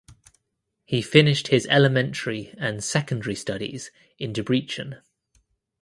He finished his elementary and secondary studies in Debrecen.